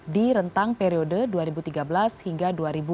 di rentang periode dua ribu tiga belas hingga dua ribu dua puluh